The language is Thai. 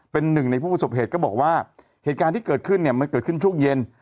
เป็นหนึ่งในผู้ประสบเหตุก็บอกว่าเหตุการณ์ที่เกิดขึ้นเนี่ยมันเกิดขึ้นช่วงเย็น